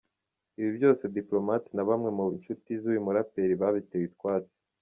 Ibi byose, Diplomate na bamwe mu nshuti z’uyu muraperi babiteye utwatsi.